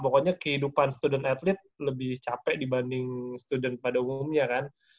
pokoknya kehidupan student atlet lebih capek dibanding student pada umumnya kan